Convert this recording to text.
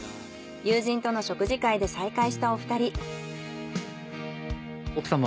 友人との食事会で再会したお二人。